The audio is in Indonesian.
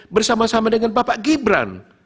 bersama sama dengan bapak gibran